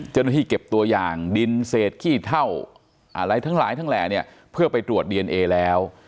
เจ้าหน้าที่เก็บตัวอย่างดินเศษขี้เท่าอะไรทั้งหลายทั้งแหล่เนี่ยเพื่อไปตรวจดีเอนเอแล้ว